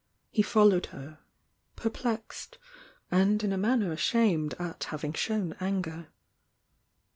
He followed her,— perplexed, and in a manner ashamed at having shown anger.